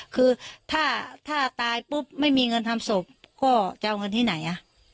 คือถ้าถ้าตายปุ๊บไม่มีเงินทำศพก็จะเอาเงินที่ไหน